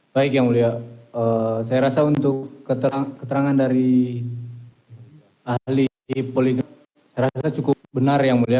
baik yang mulia saya rasa untuk keterangan dari ahli poligrafi saya rasa cukup benar yang mulia